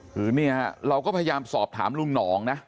คือเนี่ยเราก็พยายามสอบถามลุงหนองนะ